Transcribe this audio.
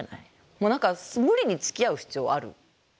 もう何か無理につきあう必要ある？